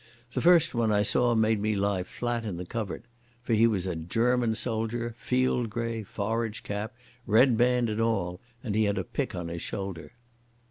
The first one I saw made me lie flat in the covert.... For he was a German soldier, field grey, forage cap, red band and all, and he had a pick on his shoulder.